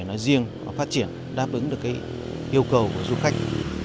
nói riêng và phát triển đáp ứng được cái yêu cầu của du khách